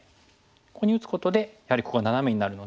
ここに打つことでやはりここがナナメになるので。